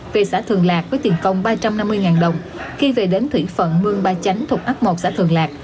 về xã thường lạc với tiền công ba trăm năm mươi đồng khi về đến thủy phận mương ba chánh thuộc ấp một xã thường lạc